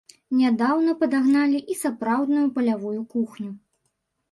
Нядаўна падагналі і сапраўдную палявую кухню.